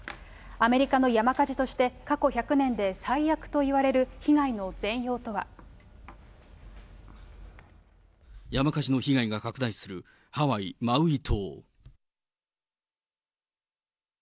アメリカの山火事として過去１００年で最悪といわれる被害の全容山火事の被害が拡大するハワイ・マウイ島。